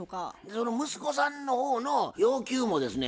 その息子さんの方の要求もですね